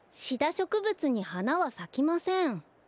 しょくぶつにはなはさきません。